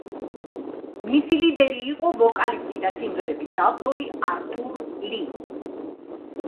მისი ლიდერი იყო ვოკალისტი და სიმღერების ავტორი ართურ ლი.